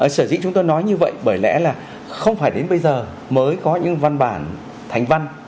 sở dĩ chúng tôi nói như vậy bởi lẽ là không phải đến bây giờ mới có những văn bản thành văn